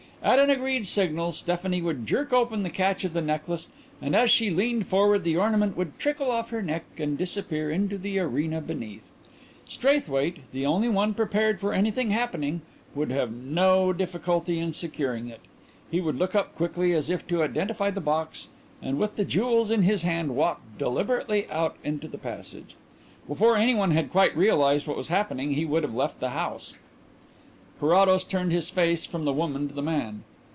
At an agreed signal Stephanie would jerk open the catch of the necklace, and as she leaned forward the ornament would trickle off her neck and disappear into the arena beneath. Straithwaite, the only one prepared for anything happening, would have no difficulty in securing it. He would look up quickly as if to identify the box, and with the jewels in his hand walk deliberately out into the passage. Before anyone had quite realized what was happening he would have left the house. Carrados turned his face from the woman to the man.